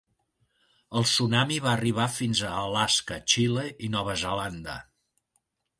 El tsunami va arribar fins a Alaska, Xile i Nova Zelanda.